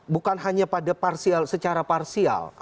bukan hanya pada partial secara partial